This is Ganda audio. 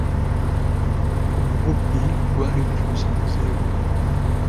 Obubbi gwali gufuuse muze gwe.